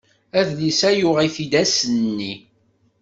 Adlis-a uɣeɣ-t-id ass-nni.